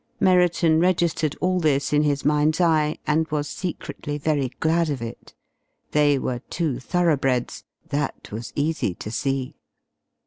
Merriton registered all this in his mind's eye, and was secretly very glad of it. They were two thoroughbreds that was easy to see.